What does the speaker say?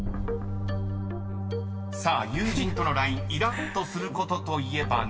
［さあ友人とのＬＩＮＥイラッとすることといえば何？］